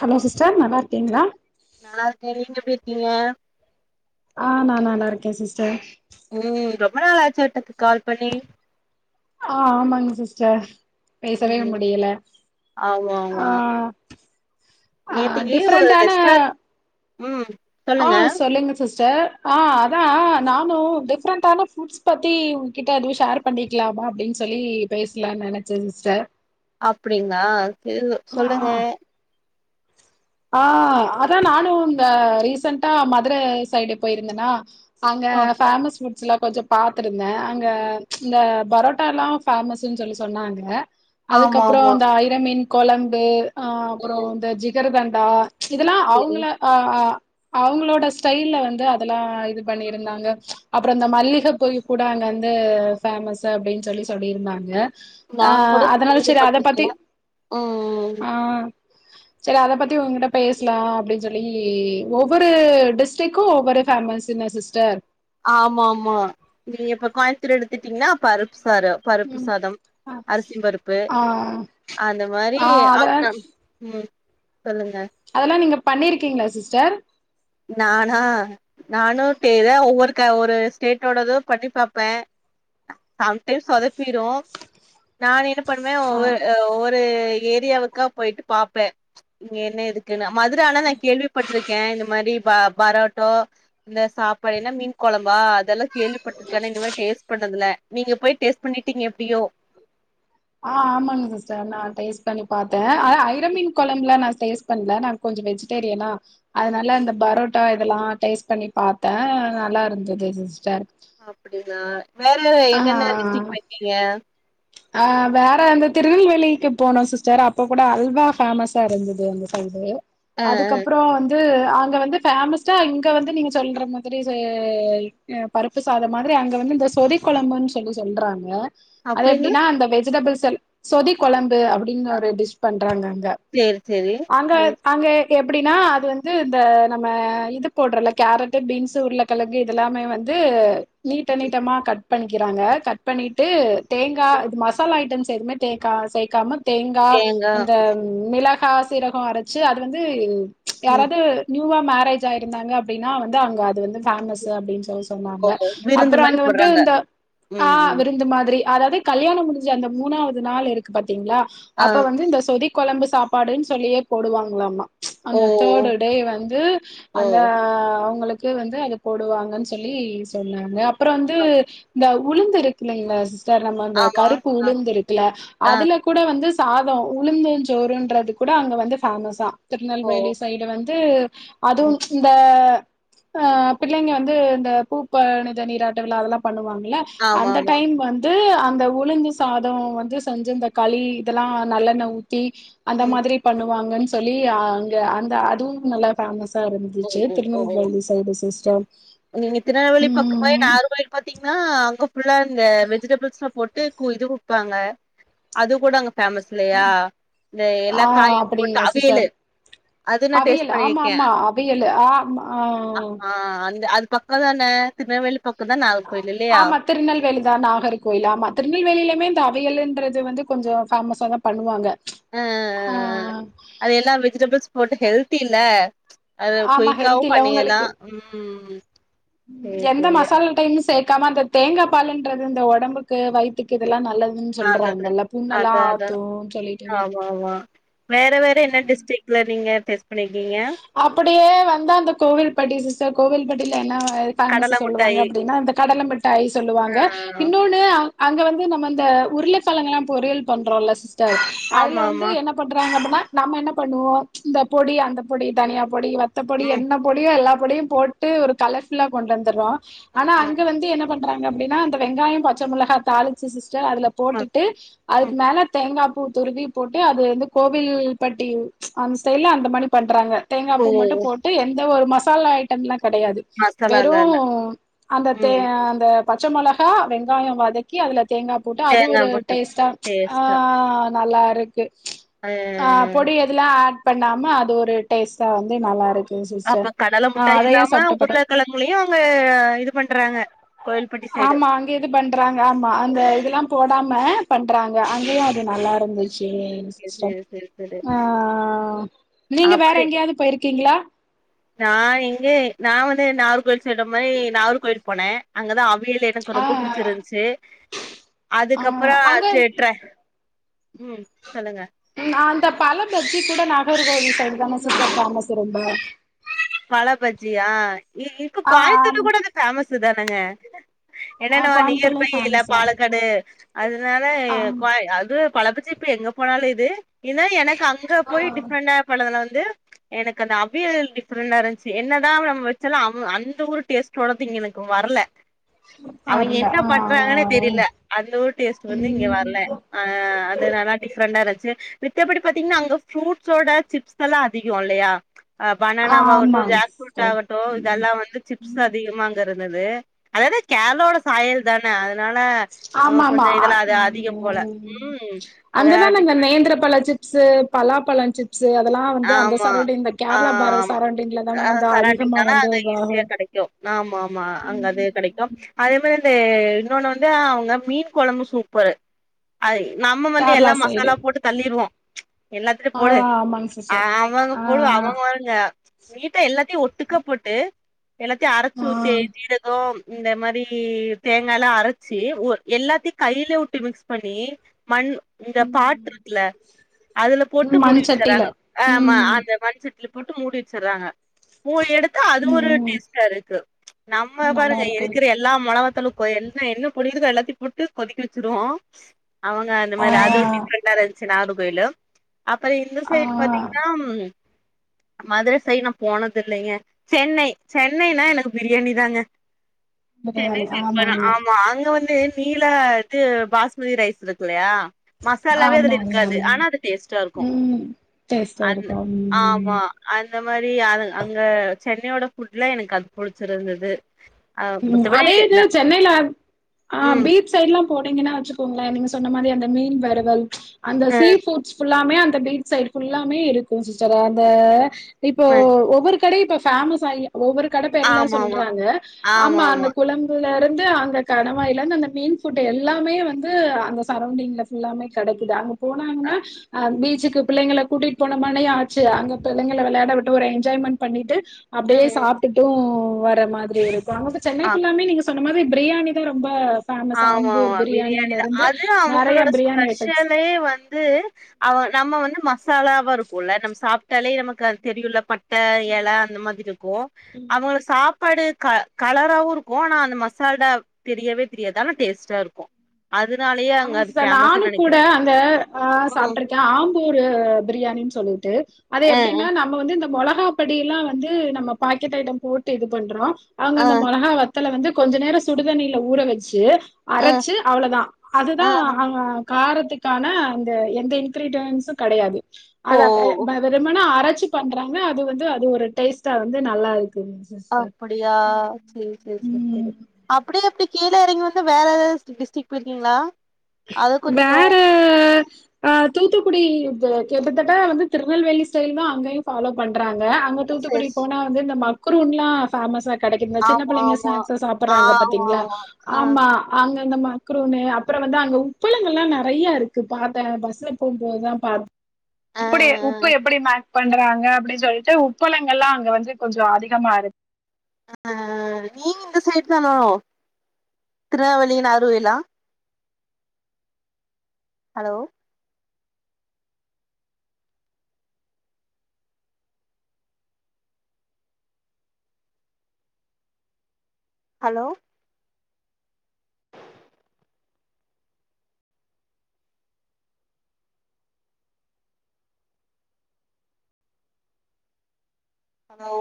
Hello sister நல்லாருக்கிங்ளா நல்லாருக்கே நீங்க எப்டி இருக்கிங்க ஆ நா நல்லாருக்கே சிஸ்டர் ம் ரொம்ப நாள் ஆச்சாட்ருக்கு கால் பண்ணி ஆ ஆமாங் சிஸ்டர் பேசவே முடியல ஆ ஆமாமா ஆ நேத்திக்கு ஒரு டிஃப்ரெண்டான ரெஸ்டாரண்ட் ம் ஆ சொல்லுங்க சொல்லுங்க சிஸ் டர் ஆ அதா நானு டிஃப்ரெண்டான ஃபுட்ஸ் பத்தி உங்ககிட்ட எதுவு ஷேர் பண்ணிக்லா அப்படின் சொல்லி பேசலான் நெனைச்ச சிஸ்டர் அப்படிங்ளா சேரி ஆ சொல்லுங்க ஆ அதா நானு இந்த ரீசெண்ட்டா மதுர சைடு போயிருந்தன்னா அங்க ஓகே ஃபேமஸ் ஃபுட்ஸ்லா கொஞ்ச பாத்துருந்த அங்க இந்த பரோட்டால்லா ஃபேமஸ்ன்னு சொல்லி சொன்னாங்க ஆமா அதுக்கப்புறம் ஆமா அந்த ஐரமீன் கொழம்பு அ அப்புறம் ம் இந்த ஜிகர் தண்டா இதெல்லாம் சரி அவங்கள அ அவங்களோட ஸ்டைல்ல வந்து அதெல்லாம் இது பண்ணியிருந்தாங்க அப்புறம் இந்த மல்லிகை போய் கூட அங்க வந்து ஃபேமஸ் அப்படின்னு சொல்லி சொல்லிருந்தாங்க நா ஆ கூட அதனால சரி அதை பத்தி கேள்விப்பட்டிருக்கே ம் ஆ சரி அதை பத்தி த்த உங்ககிட்ட பேசலாம் அப்படின்னு சொல்லி ஒவ்வொரு டிஸ்டிக்கும் ஒவ்வொரு ஃபேமஸ்ல சிஸ்டர் ஆமா ஆமா நீங்க இப்ப கோயம்புத்தூர் எடுத்துட்டீங்கன்னா பருப்பு சாரம் பருப்பு ம் சாதம் ஆ அரிசி பருப்பு ஆ அந்த மாதிரி ஆ அவ [unintelligible] ம் சொல்லுங்க அதெல்லாம் நீங்க பண்ணிருக்கீங்களா சிஸ்டர் நானா நானும் தெரியேன் ஒவ்வொரு க ஒரு ஸ்டேட்டோடதும் பண்ணி பார்ப்பேன் சம்டைம்ஸ் சொதப்பிரு நான் என்ன பண்ணுவே ஆ ஒவ்வரு ஒவ்வொரு ஏரியாவுக்கா போயிட்டு பாப்பே இங்க என்ன இருக்குன்னு மதுர ஆனா நான் கேள்விப்பட்ருக்கே இந்த மாரி பரோட்டோ இந்த சாப்பாடுனா மீன் கொழம்பா அதெல்லா கேள்விப்பட்டிருக்க ஆனா இன மாரி பண்ணதுல நீங்க போய் டேஸ்ட் பண்ணிட்டீங்க எப்டியோ ஆ ஆமாங்க சிஸ்டர் நா டேஸ்ட் பண்ணி பாத்த ஆனா ஐரமீன்கொழம்புல நா டேஸ்ட் பண்ல நா கொஞ்ச வெஜிடேரியனா அதனால இந்த பரோட்டா இதல்லா டேஸ்ட் பண்ணி பார்த்தே நல்லா இருந்தது சிஸ்டர் அப்டின்னா வேற என்னென்ன ஆ டிஸ்டிக் போய்கீங்க ஆ வேற அந்த திருநெல்வேலிக்கு போனோ சிஸ்டர் அப்ப கூட அல்வா ஃபேமஸா இருந்தது அந்த சைடு ஆ ஆ அதுக்கப்புற வந்து அங்க வந்து பேமஸா இங்க வந்து நீங்க சொல்ற மாதிரி பருப்பு சாதம் மாதிரி அங்க வந்து இந்த சொதி கொழம்புன் சொல்லி சொல்றாங்க அது அப்டின்னா எப்டின்னா அந்த வெஜிடபிள்ஸ் எல்லா சொதி கொழம் அப்டின்னு ஒரு டிஸ் பண்றாங்க அங்க சேரி சேரி அங்க அங்க எப்டின்னா அது வந்து இந்த நம்ம இது போடுறல கேரட்டு பீன்ஸ் உருளகெழங்கு இதெல்லாமே வந்து ந்து நீட்ட நீட்டமா கட் பண்ணிக்கிறாங்க கட் பண்ணிட்டு தேங்கா இது மசாலா ஐட்டம்ஸ் எதுவுமே தேக்கா சேக்காம தேங்கா அந்த மிளகா சீரக அரைச்சு அது வந்து ம் யாராது நியு யுவா மேரேஜ் ஆயிருந்தாங்க அப்டின்னா வந்து அங்க அது வந்து ஃபேமஸ் அப்டின்னு சொல்ல ஓ சொன்னாங்க விருந்து அப்பறம் மாரி அங்க வந்து போட்றாங்க இந்த ம் ஆ ம் விருந்து மாதிரி அதாவது கல்யாணம் முடிஞ்சு அந்த மூணாவது நாள் இருக்கு பாத் திங்களா ஆ அப்ப வந்து இந்த சொதி கொழம்பு சாப்பாடுன்னு சொல்லியே போடுவாங்களாமா ஓ அந்த தேடு டே வந்து ஓ அந்த அவங்களு க்கு வந்து அத போடுவாங்கன்னு சொல்லி சொன்னாங்க அப்பற வந்து ஓ இந்த உளுந்து இருக்குலங்கள சிஸ்டர் நம்ம இந்த ஆமா கருப்பு ஆ உளுந்து இருக்குல ஆ அதுல கூட வந்து சாதம் உளுந்துஞ்சோறுன்றது கூட அங்க வந்து ஃபேமஸா ஓ திருநெல்வேலி சைடு வந்து அதுவு ம் இந்த ஆ பிள்ளைங்க வந்து இந்த பூப்பணித நீராட்ட விழா அதெல்லா பண்ணுவாங் ல்ல ஆமா அந்த ஆமா டைம் வந்து அந் அந்த உளுந்து சாத வந்து செஞ்சு இந்த களி இதெல்லா நல்லெண்ண ஊத் தி அந்த ம் மாதிரி பண்ணுவாங்கன்னு சொல்லி அங்க அந்த அதுவும் நல்லா பேமஸ் த ஆரம்பிச்சுச்சி ம் ம் ஓ ஓ திருநெல்வேலி சைடு சிஸ்ட நீங்க திருநெல்வேலி பக்க போய் நாகர்கோயில் பாத்தீங்கன்னா அங்க உல்ல இந்த வெஜிடபிள்ஸ்ல போட்டு இது குப்பாங்க அது கூட அங்க ஃபேமஸ் இல்லயா இந்த எல்லா ஆ காயும் போட்டு அப்டிங்களா சிஸ்டர் அவியலு அது நா டேஸ்ட் அவியல் ஆமா பண்ணிருக்கே ஆமா அவியலு ஆம் ஆ ஆ அது பக்க தான திருநெவேலி பக்க ஆமா திருநெல்வேலி தான் நாகர்கோயில் ஆமா திருநெல்வேலிலையுமே அவையல்ன்றது வந்து கொஞ்ச ஃபேமஸா தா பண்ணுவாங்க அ ஆ அது எல்லா வெஜிடபிள்ஸ் போட்டு ஹெல்தில்ல அது ஆமா குயிக்காவு ஹெல்த்தில பண்ணயிரலா உங்களுக்கு ம் சேரி எந்த சேரி மசாலா டைம் சேத் க்காம இந்த தேங்கா பால்ன்றது இந்த உடம்புக்கு வயித்துக்கு இதெல்லா நல்லது ம் நல்லது சொல்றாங்கல புண்ணெல்லா அதா அதா ஆத்தும் சொல்லிட்டு ஆமா ஆமா வேற வேற என்ன டிஸ்ரிக்ல நீங்க டெஸ்ட் பண்ணிருக்கீங்க அப்படியே வந்தா அந்த கோவில்பட்டி சிஸ்டர் கோவில்பட்டில என்ன ஃபேமஸ் கடல சொல்லுவாங்க மிட்டாயி அப்படின்னா இந்த கடலமிட்டாய் சொல்லுவாங்க ஆ இன்னொன்னு அங்க வந்து நம்ம இந்த உருளக் கெழங்களா பொறியல் பண்றோல சிஸ் த ஆமா அதுல வந்து ஆமா என்ன பண்றாங்க அப்டின்னா நம்ம என்ன பண்ணுவோ இந்த பொடி அந்த பொடி தனியா பொடி வத்த பொடி ம் என்ன பொடியோ எல்லா பொடியும் போட்டு ஒரு கலர்ஃபுல்லா கொண்டு வந்துருவோ ஆனா ஆமா அங்க ஆமா வந்து என்ன பண்றாங்க அப்படின்னா அந்த வெங்காய பச்ச மிளகா தாளிச்சு சிஸ் டர் அதுல அ. போட்டுட்டு அதுக்கு ம் மேல தேங்கா பூ துருவி போட்டு அது வந்து கோவில்பட்டி அந்த சைடுல அந்த மாரி பண்றாங்க தேங்கா ஓ பூ மட்டு போட்டு எந்த ஒரு மசாலா ஐட்டம்ல கிடையாது வெறு மசாலால இல்ல அந்த ம் தேங் அந்த பச்ச மிளகா வெங்காய வதக்கி அதுல தேங்கா போட்டு அது தேங்கா ஒரு மட்டு டேஸ்ட்டா ச் டேஸ்டா ஆ நல்லா இருக்கு ஆ அ பொடி எதுலா ஆட் பண்ணாம அது டேஸ்ட்டா வந்து நல்லா இருக் அப்ப கடல முட்டாயு இல்லாம பட்ட உருளைக்கிழங்குலையு அவங்க இது பண்றாங்க கோயில்பட்டி சைடு ஆமா அங்க இது பண்றாங்க ஆமா அந்த இதெல்லா போடாம ம பண்றாங்க அங்கயு அது நல்லா இருந்துச் சேரிங்க சேரி சிஸ்டர் சேரி சேரி ஆ நீங்க வேற அப்பறோ எங்கேயாது போயிருக்கீங்களா நா எங்க நா வந்து நாகர் கோயில் சொல்ற மாதிரி நாகர் கோயில்போனேன் அங்கதா மீல் எனக்கு ஆ ரொம்ப பிடிச்சிருந்துச்சு அதுக்கப்புறம் தேட்ர உம் அந்த பழ பஜ்ஜி கூட நாகர் கோயில் சைட் தான சிஸ்டர் பேஃமசு இருக்கு பழ பஜ்ஜியா ஆ இதுக்கு ஆ ஆம் கோயத்தூர் கூட அது ஃபேமஸ் தானங்க ஆ என்னன்ன நியர்பை கோயம்புத்தூர்லயு இல்ல ஃபேமஸா பாலக்கடு அதனால ஆ அது பழபச்சி இப்ப எங்க போனாலு இது ஏன்னா எனக்கு அங்க போய் டிஃப்ரண்டா பண்தால து எனக்கு அந்த அவியல் டிப்ரெண்டா இருந்துச்சு என்னதா நம்ம வச்சாலு அந்த ஊர் டேஸ்ட்டோதுங எனக்கு வரல அவிங்க அருல என்ன ஆ பண்றாங்கன்னே தெரியல அந்த ஊர் டேஸ்ட் வந்து இங்க வரல ம் ஆ அது நல்லாடி கொண்டரச்சு மித்தபடி பாத்தீங்கன்னா அங்க ஃப்ரூட்ஸ் ஓட சிப்ஸ் எல்லா அதிக இல்லையா பனானா ஆகட்டும் ஆமாங்க ஜாக்ரூட் சிஸ்டர் ஆகட்டு ம் இதெல்லா வந்து சிப்ஸ் அதிகமாகங்கிறது தத்து அதாவது கேலோட சாயல் தானே அதனால அவங்க ஆமா கொஞ்ச ஆமா இதெல்லா அது அதிகம் போல ம் ம் அதெல்லா டிப் சிப்சு பலா பழம் சிப்ஸ் சு அதெல்லா வந்து அந்த ஆமா சரௌண்டிங் இந்த ஆ கேரளா பார்டர் ஆமா சரௌண்டிங்லதான வந்து அதிகமா வந்து வரு கும் ஆமா ஆமா அங்க அது கடைக்கு அதே மாரி இன்னொன்னு வந்து அவங்க மீன் குழம்பு சூப்பரு அது நம்ம வந்து கேரளா எல்லா சைடு மசாலா போட்டு தள்ளிடுவோ எல்லாத்துலயு ஆ போடு ஆமாங்க அ சிஸ்டர் அவங்க ஆ போடு அவங்கங்க வீட்ட எல்லாத்தையு ஒட்டுக்க போட்டு எல்லாத்தையு அரைச்சு ஆ ஊத்தி சீரகம் இந்த மாதிரி தேங்கா எல்லா அரைச்சு எல்லாத்தையு கையில விட்டு மிக்ஸ் பண்ணி மண் இந்த பாட் ம் இருக்குல அதுல போட்டு முடி மண் சட்டில வச்சறங்க ம் அந்த மண் சட்டில் போட்டு மூடி வச்சடுறாங்க மூடி எடுத் அது ஒரு ம் ம் டேஸ்டா இருக்கு நம்ம நல்லா பாருங்க இருக்கு இருக்கிற எல்லா மளவத் த்து என்ன என்ன பொடிருதோ எல்லாத்தையு போட்டு கொதிக்க வச்சுருவோ அவங்க அந்த ஆ மாரி அதோட் டிஃப்ரென்ட்டா இருந்துச்சு நார் கோயில அப்புறம் ஆ சைடு பாத்தீங்கன்னா மதுர சைடு ந போனது இல்லைங்க சென்னை சென்னைனா எனக்கு பிரியாணி தாங்க சென்னை பிரியாணி சேர்பன் ஆமாங்க ஆமா அங்க வந்து நீல இது பாஸ்மதி ரைஸ் இருக்கு இல்லியா மசாலாவே அதுல ஆமாங்க இருக்காது ஆனா அது டேஸ்ட்டா இருக்கு ம் டேஸ்ட்டா அது இருக்கு ம் ஆமா அந்த மாதிரி அ அங்க சென்னையோட ஃபுட்லா எனக்கு அது புடிச்சிருந்தது ஆ உம் மத்தபடி அதே இது நா சென்னையில ஆ ம் பீச் சைட்லா போனிங்கன்னா வச்சுக்கோங்களே நீங்க சொன்ன மாதிரி அந்த மீன் வரவல் அந்த அ, சீஃபுட்ஸ் ல்லாமே அந்த பீச் சைட் ஃபுல்லாமே இருக்கு சிஸ்டர் அந்த இப்ப அ, ஒவ்வொரு கடயு இப்ப ஃபேமஸ் ஆகி ஒவ்வொரு கடப்பேர்ல ஆமா ஆமா சொல்றாங்க ஆமா அந்த குழம்புல வந்து அங்க கடவாய்லந்து அந்த மீன் ஃபுட் எல்லாமே வந்து அந்த சரவ்ண்டிங்ல ஃபுல்லாமே கெடக்கிது அங்க போனாங்கன்னா அ பீச் சுக்கு பிள்ளங்கள கூட்டிட் போனம்மனயு ஆச்சு அங்க பிள்ளகள விளையாட விட்டு ஒரு என்ஜாய்மண்ட் பண்ணிட்டு ம் அப்டியே ம் சாப்ட்டுட்டு வர்ர மாதிரி இருக்கு அங்க போய் சென்னை ஆ ஃபுல்லாமே நீங்க சொ ன்ன மாரி பிரியாணி தா ரொம்ப ஃபேமஸ் ஆமா ஆம்பூர் ஆமா பிரியாணில பிரியாணிதா இருந்து அது நெறைய அவுங்களோட பிரியாணி ஐட்டம்ஸ் ஸ்பெஷலே வந்து அவ நம்ம வந்து மசாலாவா இருக்குல்ல நம்ம சாப்ட்டாலே நமக்கு அது தெரியுல்ல பட் ட எல அந்த மாதிரி இருக்கு அவங்க சாப் பாடு க கலராவு இருக்கு ஆனா அந்த மசாலா தெரியவே தெரியாது ஆன டேஸ்ட்டா இருக்கு ஆமாங்க சிஸ்டர் நானு கூட அந்த ஆ ம். சாப்ட்ருக்கே ஆம்பூரு பிரியாணின் சொல்லிட்டு அது அ, எப்டின்னா நம்ம வந்து இந்த மொளகா படியலா வந்து நம்ம பாக்கெட் ஐட்டம் போட்டு இது பண்றோ அவங்க அ, அந்த மொளகா வத்தல வந்து கொஞ்ச நேரோ சுடுதண்ணில ஊற வச்சு அ, அரச்சு அவ்ளதா அதுதா அ, அ. அவுங்க காரத்துக்கான அந்த எந்த இன்கிரீடியன்ஸு கெடையாது ஓ! அத வெ வெறுமன அரச்சு பண்றாங்க அது வந்து அது ஒரு டேஸ்ட்டா வந்து நல்லா இரு அப்புடியா சேர் சேர் சேர் ம். செரி அப்டியே எப்டி கீழ எறங்கி வந்து வேற எதாவது [unintelligible] டிஸ்ட்ரிக் போய்ருக்கீங்ளா வேற அ தூத்துக்குடி ப எப்புதட்ட வந்து திருநெல்வேலி ஸ்டைல் தா அங்கயு ஃபாலோ பண்றாங்க அங்க தூத்துக்குடி சரி. போனா வந்து இந்த மக் மக்ரூன்லா ஃபேமஸா கெடைக்குது இந்த சின்ன ஆமா புள்ளைங்க ஆமா. ஸ்னாக்ஸு சாப்பற்றாங்க பாத்தீங்ளா ஆமாமா. அ, ஆமா அங்க அந்த மக்ரூனு அப்பறோ வந்து அ அங்க உப்பளங்கள்லா நெறைய இருக்கு பாக்க பஸ்ல போம்போதுதா பாத் அ, அ, உப்புடி உப்பு எப்டி மே பண்றாங்க அப்டின் சொல்லிட்டு உப்பளங்கள்லா அங்க வந்து கொஞ்சோ அதிகமா இரு அ. நீங்க இந்த சைடு தானோ திருநவேலி நாகர்கோயிலா ஹலோ ஹலோ ஹலோ